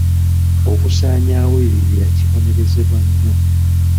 Okusaanyaawo ebibira kibonerezebwa nnyo.